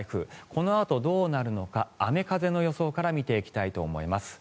このあとどうなるのか雨風の予想から見ていきたいと思います。